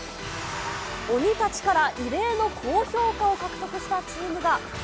鬼たちから異例の高評価を獲得したチームが。